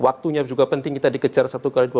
waktunya juga penting kita dikejar satu kali di sana gitu ya